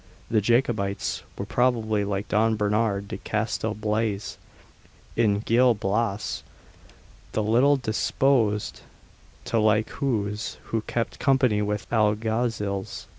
The Jacobites were probably, like Don Bernard de Castel Blaze, in Gil Blas, little disposed to like those who kept company with Alguazils.